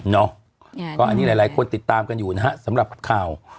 เนาะก็อันนี้หลายคนติดตามกันอยู่นะฮะสำหรับข่าว